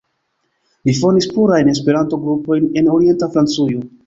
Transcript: Li fondis plurajn Esperanto-grupojn en Orient-Francujo.